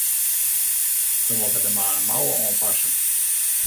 We moatte der mar in mouwe oan passe.